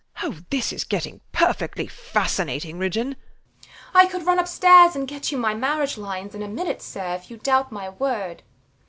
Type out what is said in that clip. Oh, this is getting perfectly fascinating, Ridgeon. THE MAID. I could run upstairs and get you my marriage lines in a minute, sir, if you doubt my word.